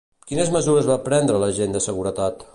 Quines mesures va prendre l'agent de seguretat?